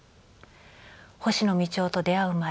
星野道夫と出会う前